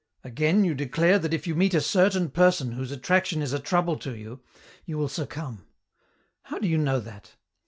" Again, you declare that if you meet a certain person whose attraction is a trouble to you, you will succumb. How do you know that